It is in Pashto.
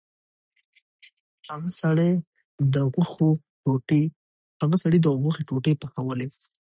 هغه سړي د غوښو ټوټې پخولې.